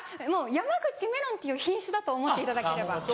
山口めろんっていう品種だと思っていただければ。